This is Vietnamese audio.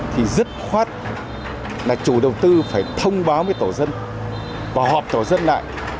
thì dứt khoát là chủ đầu tư phải thông báo với tổ dân và họp tổ dân lại